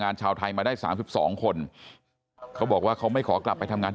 ชาวไทยมาได้๓๒คนเขาบอกว่าเขาไม่ขอกลับไปทำงาน